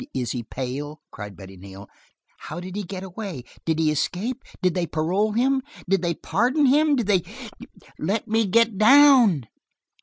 Is he pale?" cried Betty Neal. "How did he get away? Did he escape? Did they parole him? Did they pardon him? Did he " "Let me get down!"